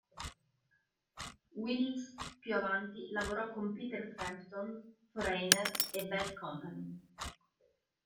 Wills più avanti lavorò con Peter Frampton, Foreigner e Bad Company.